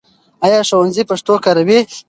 ایا ښوونځی پښتو کاروي؟